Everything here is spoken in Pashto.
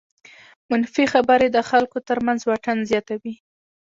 منفي خبرې د خلکو تر منځ واټن زیاتوي.